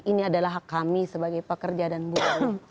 ini adalah hak kami sebagai pekerja dan buruh